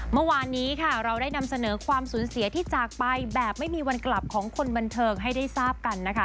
เมื่อวานนี้ค่ะเราได้นำเสนอความสูญเสียที่จากไปแบบไม่มีวันกลับของคนบันเทิงให้ได้ทราบกันนะคะ